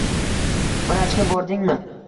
- Vrachga bordingmi?